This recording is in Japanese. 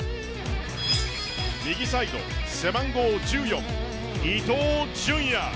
右サイド、背番号１４、伊東純也。